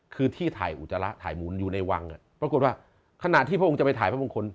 คือที่ถ่ายอุจจาระถ่ายหมุนอยู่ในวังปรากฏว่าขณะที่พระองค์จะไปถ่ายพระมงคล